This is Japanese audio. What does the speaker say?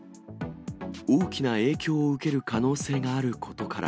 大きな影響を受ける可能性があることから。